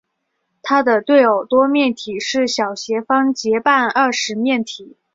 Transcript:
它的对偶多面体是小斜方截半二十面体。